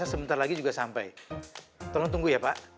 aduh dia pon lagi